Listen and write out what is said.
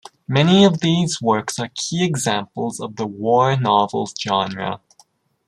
Many of these works are key examples of the war novel genre.